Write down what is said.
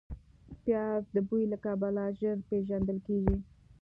پیاز د بوی له کبله ژر پېژندل کېږي